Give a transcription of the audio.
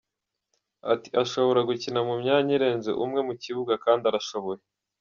Ati: “Ashobora gukina ku myanya irenze umwe mu kibuga kandi arashoboye”.